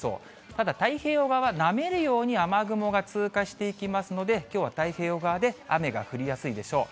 ただ、太平洋側はなめるように雨雲が通過していきますので、きょうは太平洋側で雨が降りやすいでしょう。